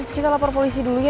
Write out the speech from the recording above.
kita lapor polisi dulu ya